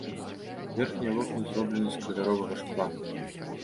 Верхнія вокны зроблены з каляровага шкла.